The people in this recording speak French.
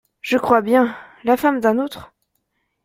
Je crois bien… la femme d’un autre !